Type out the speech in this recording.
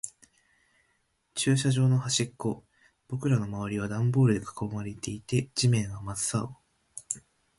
駐車場の端っこ。僕らの周りはダンボールで囲われていて、地面は真っ青。